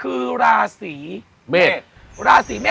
คือราศีเมศ